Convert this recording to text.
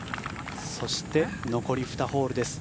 そして、残り２ホールです。